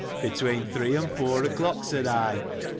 Between three and Jour o'clock, said I.